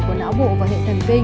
của não bộ và hệ thần kinh